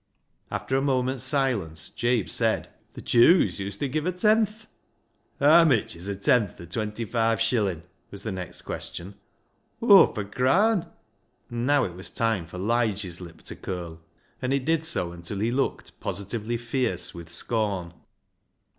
After a moment's silence, Jabe said —" Th' Jews uset give a tenth." " Haa mitch is a tenth o' twenty five shillin' ?" was the next question. " Hawf a craan." And now it was time for Lige's lip to curl, and it did so until he looked positively fierce with scorn.